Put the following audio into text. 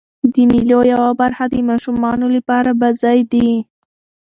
د مېلو یوه برخه د ماشومانو له پاره بازۍ دي.